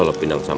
gak pengen jaga